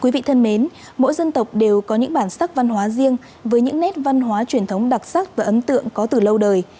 quý vị thân mến mỗi dân tộc đều có những bản sắc văn hóa riêng với những nét văn hóa truyền thống đặc sắc và ấn tượng có từ lâu đời